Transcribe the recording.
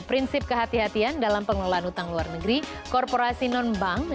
prinsip kehatian dalam pengelolaan utang luar negeri korporasi non bank